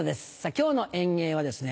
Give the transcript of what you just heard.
今日の演芸はですね